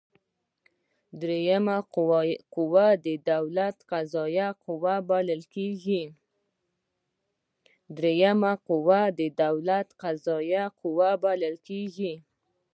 دریمه قوه د دولت قضاییه قوه بلل کیږي.